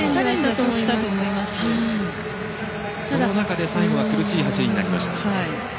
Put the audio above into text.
ただその中で最後は苦しい走りになりました。